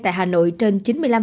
tại hà nội trên chín mươi năm